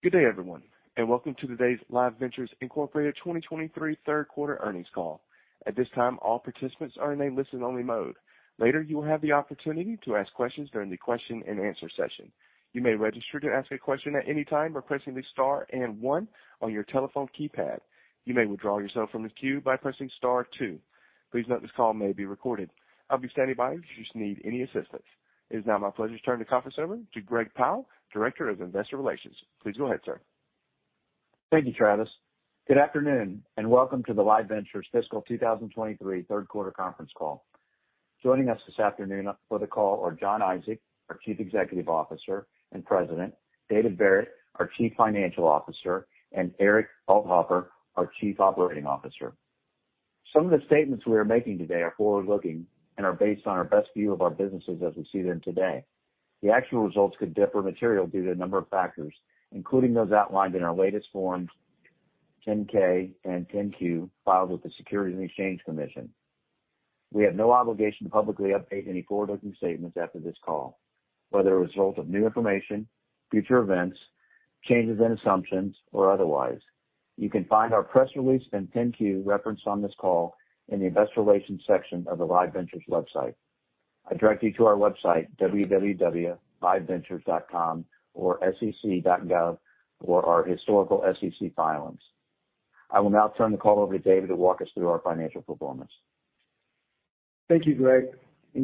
Good day, everyone, and welcome to today's Live Ventures Incorporated 2023 3rd Quarter Earnings Call. At this time, all participants are in a listen-only mode. Later, you will have the opportunity to ask questions during the question-and-answer session. You may register to ask a question at any time by pressing the star and one on your telephone keypad. You may withdraw yourself from the queue by pressing star two. Please note this call may be recorded. I'll be standing by if you should need any assistance. It is now my pleasure to turn the conference over to Greg Powell, Director of Investor Relations. Please go ahead, sir. Thank you, Travis. Good afternoon, welcome to the Live Ventures fiscal 2023 third quarter conference call. Joining us this afternoon for the call are Jon Isaac, our Chief Executive Officer and President, David Verret, our Chief Financial Officer, and Eric Althofer, our Chief Operating Officer. Some of the statements we are making today are forward-looking and are based on our best view of our businesses as we see them today. The actual results could differ materially due to a number of factors, including those outlined in our latest forms, 10-K and 10-Q, filed with the Securities and Exchange Commission. We have no obligation to publicly update any forward-looking statements after this call, whether a result of new information, future events, changes in assumptions, or otherwise. You can find our press release and 10-Q referenced on this call in the investor relations section of the Live Ventures website. I direct you to our website, www.liveventures.com or sec.gov, for our historical SEC filings. I will now turn the call over to David to walk us through our financial performance. Thank you, Greg.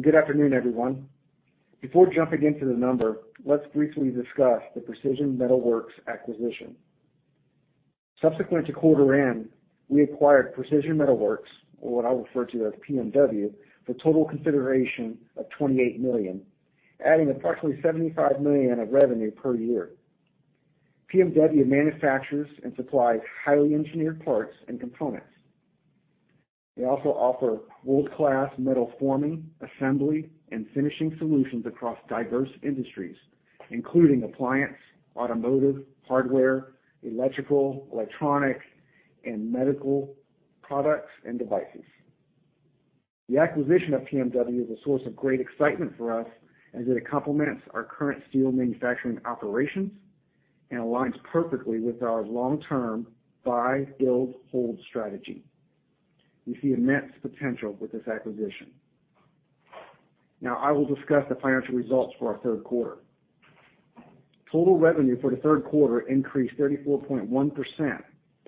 Good afternoon, everyone. Before jumping into the numbers, let's briefly discuss the Precision Metal Works acquisition. Subsequent to quarter end, we acquired Precision Metal Works, or what I'll refer to as PMW, for a total consideration of $28 million, adding approximately $75 million of revenue per year. PMW manufactures and supplies highly engineered parts and components. They also offer world-class metal forming, assembly, and finishing solutions across diverse industries, including appliance, automotive, hardware, electrical, electronics, and medical products and devices. The acquisition of PMW is a source of great excitement for us, as it complements our current steel manufacturing operations and aligns perfectly with our long-term buy-build-hold strategy. We see immense potential with this acquisition. I will discuss the financial results for our third quarter. Total revenue for the third quarter increased 34.1%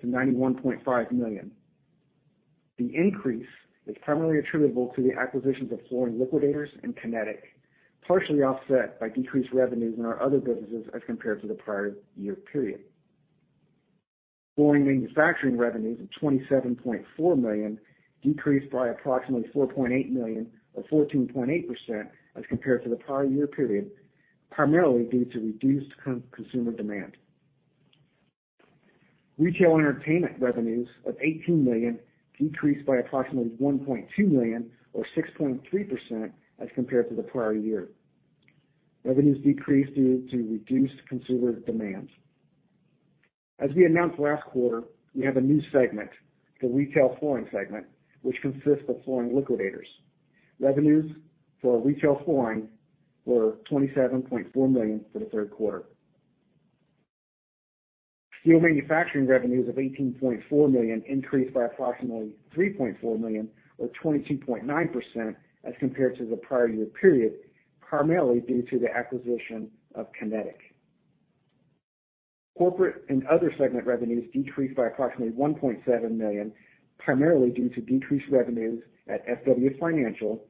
to $91.5 million. The increase is primarily attributable to the acquisitions of Flooring Liquidators and Kinetic, partially offset by decreased revenues in our other businesses as compared to the prior year period. Flooring manufacturing revenues of $27.4 million decreased by approximately $4.8 million, or 14.8%, as compared to the prior year period, primarily due to reduced consumer demand. Retail entertainment revenues of $18 million decreased by approximately $1.2 million, or 6.3%, as compared to the prior year. Revenues decreased due to reduced consumer demand. As we announced last quarter, we have a new segment, the retail flooring segment, which consists of Flooring Liquidators. Revenues for retail flooring were $27.4 million for the third quarter. Steel manufacturing revenues of $18.4 million increased by approximately $3.4 million, or 22.9%, as compared to the prior year period, primarily due to the acquisition of Kinetic. Corporate and other segment revenues decreased by approximately $1.7 million, primarily due to decreased revenues at SW Financial,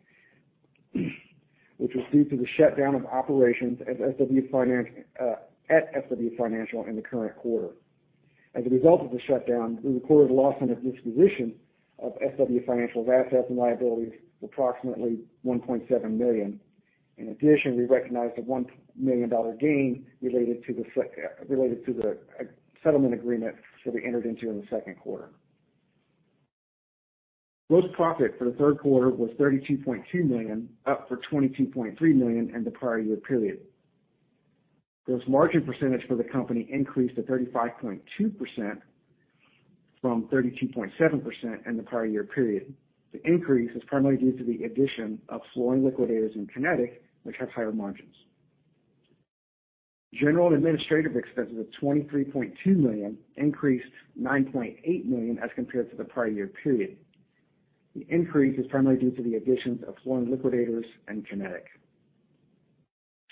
which was due to the shutdown of operations at SW Financial in the current quarter. As a result of the shutdown, we recorded a loss on the disposition of SW Financial's assets and liabilities of approximately $1.7 million. In addition, we recognized a $1 million gain related to the settlement agreement that we entered into in the second quarter. Gross profit for the third quarter was $32.2 million, up from $22.3 million in the prior year period. Those margin percentage for the company increased to 35.2% from 32.7% in the prior year period. The increase is primarily due to the addition of Flooring Liquidators and Kinetic, which have higher margins. General and administrative expenses of $23.2 million increased $9.8 million as compared to the prior year period. The increase is primarily due to the additions of Flooring Liquidators and Kinetic.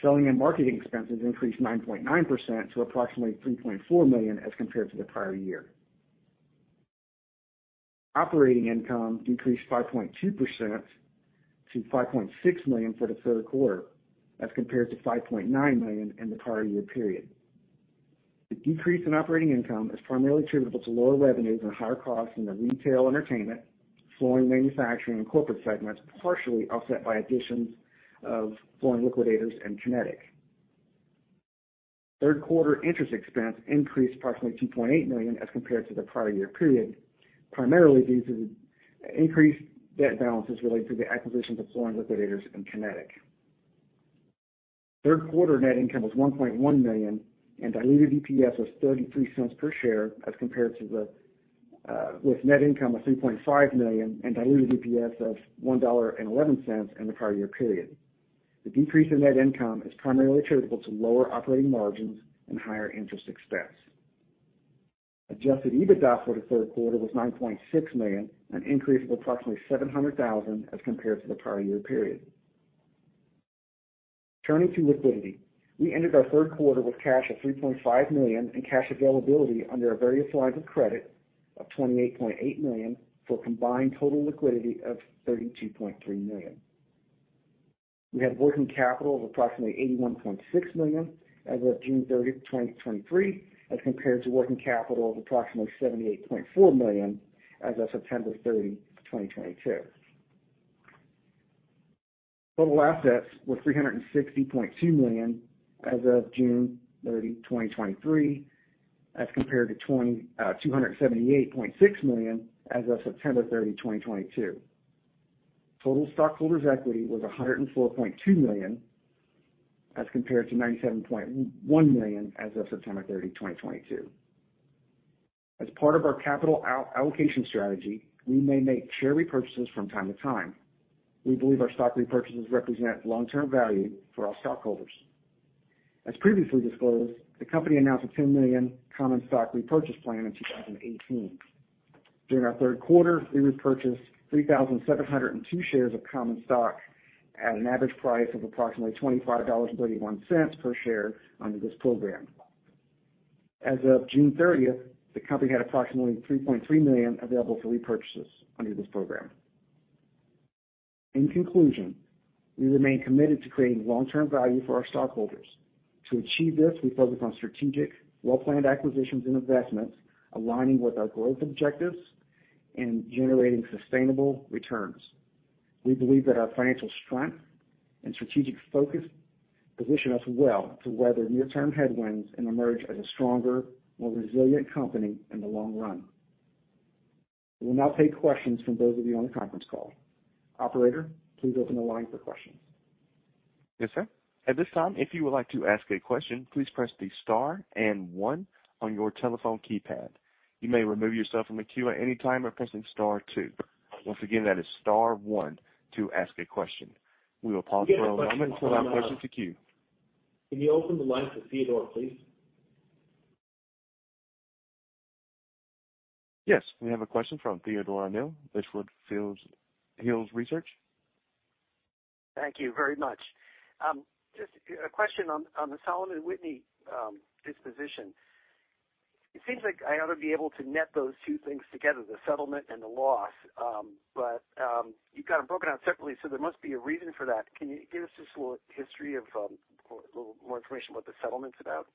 Selling and marketing expenses increased 9.9% to approximately $3.4 million as compared to the prior year. Operating income decreased 5.2% to $5.6 million for the third quarter, as compared to $5.9 million in the prior year period. The decrease in operating income is primarily attributable to lower revenues and higher costs in the retail, entertainment, flooring, manufacturing, and corporate segments, partially offset by additions of Flooring Liquidators and Kinetic. Third quarter interest expense increased approximately $2.8 million as compared to the prior year period, primarily due to the increased debt balances related to the acquisition of Flooring Liquidators and Kinetic. Third quarter net income was $1.1 million, and diluted EPS was $0.33 per share with net income of $3.5 million and diluted EPS of $1.11 in the prior year period. The decrease in net income is primarily attributable to lower operating margins and higher interest expense. Adjusted EBITDA for the third quarter was $9.6 million, an increase of approximately $700,000 as compared to the prior year period. Turning to liquidity, we ended our third quarter with cash of $3.5 million and cash availability under our various lines of credit of $28.8 million, for a combined total liquidity of $32.3 million. We had working capital of approximately $81.6 million as of June 30th, 2023, as compared to working capital of approximately $78.4 million as of September 30, 2022. Total assets were $360.2 million as of June 30, 2023, as compared to $278.6 million as of September 30, 2022. Total stockholders' equity was $104.2 million, as compared to $97.1 million as of September 30, 2022. As part of our capital all-allocation strategy, we may make share repurchases from time to time. We believe our stock repurchases represent long-term value for our stockholders. As previously disclosed, the company announced a $10 million common stock repurchase plan in 2018. During our third quarter, we repurchased 3,702 shares of common stock at an average price of approximately $25.31 per share under this program. As of June 30th, the company had approximately $3.3 million available for repurchases under this program. In conclusion, we remain committed to creating long-term value for our stockholders. To achieve this, we focus on strategic, well-planned acquisitions and investments, aligning with our growth objectives and generating sustainable returns. We believe that our financial strength and strategic focus position us well to weather near-term headwinds and emerge as a stronger, more resilient company in the long run. We'll now take questions from those of you on the conference call. Operator, please open the line for questions. Yes, sir. At this time, if you would like to ask a question, please press the star and one on your telephone keypad. You may remove yourself from the queue at any time by pressing star two. Once again, that is star one to ask a question. We will pause for a moment while the questions to queue. Can you open the line for Theodore, please? Yes, we have a question from Theodore O'Neill, Litchfield Hills Research. Thank you very much. Just a question on the Salomon Whitney disposition. It seems like I ought to be able to net those two things together, the settlement and the loss, but you've got them broken out separately, so there must be a reason for that. Can you give us just a little history of, or a little more information what the settlement's about?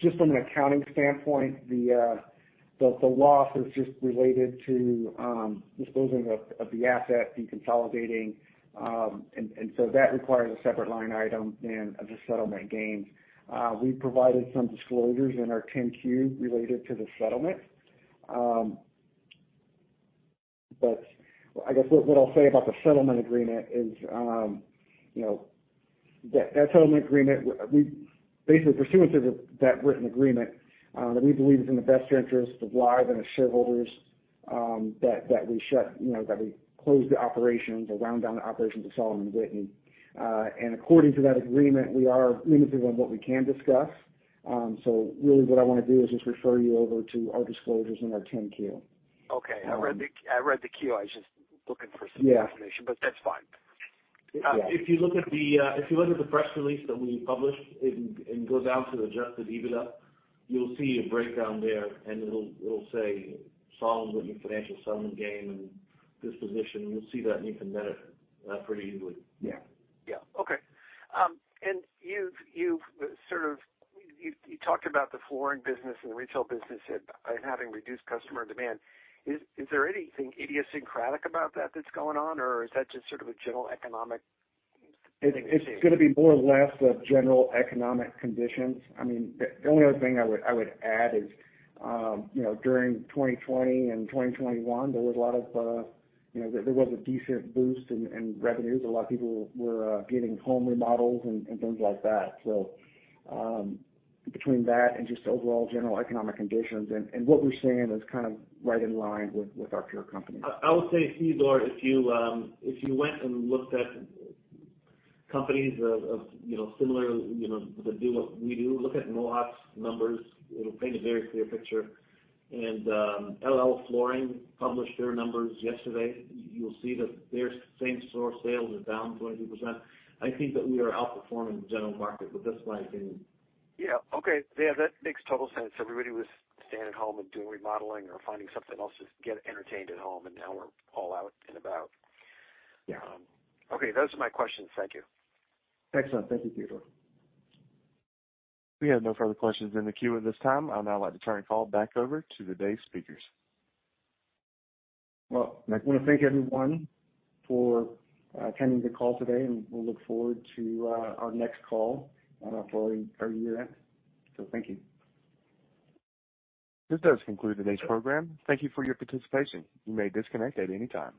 Just from an accounting standpoint, the loss is just related to disposing of the asset, deconsolidating, and that requires a separate line item than of the settlement gains. We provided some disclosures in our 10-Q related to the settlement. I guess what I'll say about the settlement agreement is, you know, that that settlement agreement, we basically pursuant to that written agreement that we believe is in the best interest of Live and its shareholders, that we shut, you know, that we closed the operations or wound down the operations of Salomon Whitney. According to that agreement, we are limited on what we can discuss. Really what I want to do is just refer you over to our disclosures in our 10-Q. Okay. Um- I read the, I read the Q, I was just looking for some- Yeah - information, but that's fine. Yeah. If you look at the, if you look at the press release that we published and, and go down to the Adjusted EBITDA, you'll see a breakdown there, and it'll, it'll say, SW Financial settlement gain and disposition. You'll see that, and you can net it, pretty easily. Yeah. Yeah. Okay. And you've, you've sort of... You, you talked about the flooring business and the retail business and, and having reduced customer demand. Is, is there anything idiosyncratic about that that's going on, or is that just sort of a general economic thing to see? It, it's gonna be more or less the general economic conditions. I mean, the, the only other thing I would, I would add is, you know, during 2020 and 2021, there was a lot of, you know, there, there was a decent boost in, in revenues. A lot of people were getting home remodels and, and things like that. Between that and just overall general economic conditions and, and what we're seeing is kind of right in line with, with our peer companies. I, I would say, Theodore, if you, if you went and looked at companies of, of, you know, similar, you know, that do what we do, look at Mohawk's numbers, it'll paint a very clear picture. LL Flooring published their numbers yesterday. You'll see that their same-store sales are down 20%. I think that we are outperforming the general market with this line item. Yeah. Okay. Yeah, that makes total sense. Everybody was staying at home and doing remodeling or finding something else to get entertained at home, and now we're all out and about. Yeah. Okay, those are my questions. Thank you. Excellent. Thank you, Theodore. We have no further questions in the queue at this time. I'd now like to turn the call back over to the day speakers. I want to thank everyone for attending the call today. We will look forward to our next call for our year end. Thank you. This does conclude today's program. Thank you for your participation. You may disconnect at any time.